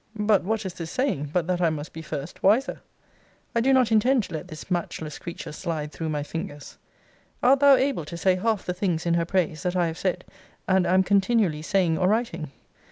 But what is this saying, but that I must be first wiser? I do not intend to let this matchless creature slide through my fingers. Art thou able to say half the things in her praise, that I have said, and am continually saying or writing?